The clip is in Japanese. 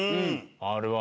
あれは。